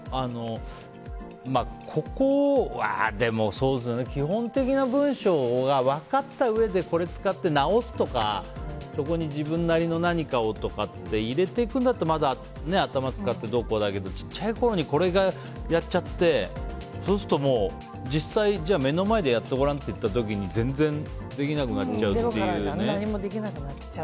でも基本的な文章が分かったうえでこれを使って直すとかそこに自分なりの何かを入れていくんだったらまだ頭使ってどうこうだけどちっちゃいころにこれやっちゃってそうすると、もう実際に目の前でやってごらんと言った時に全然できなくなっちゃうっていうね。